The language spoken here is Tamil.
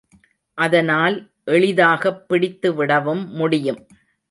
அதனால் எளிதாகப் பிடித்து விடவும் முடியும்.